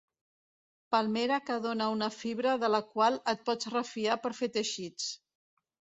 Palmera que dóna una fibra de la qual et pots refiar per fer teixits.